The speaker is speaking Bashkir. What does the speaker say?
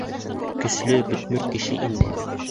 Көслө, бөтмөр кеше инде.